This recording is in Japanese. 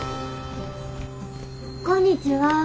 こんにちは。